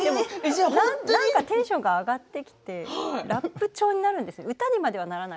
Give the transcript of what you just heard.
何かテンションが上がってきてラップ調になってくるんです。